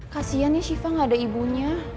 kasiannya syifa gak ada ibunya